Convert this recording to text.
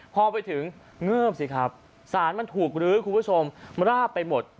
พอไปถึงเงิบสิครับสารมันถูกลื้อคุณผู้ชมราบไปหมด